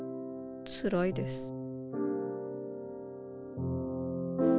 つらいです。